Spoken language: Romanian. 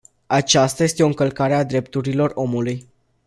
Aceasta este o încălcare a drepturilor omului.